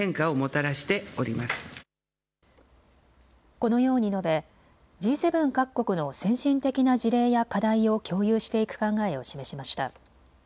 このように述べＧ７各国の先進的な事例や課題を共有していく考えを示しました。